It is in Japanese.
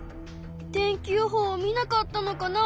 天気予報を見なかったのかな？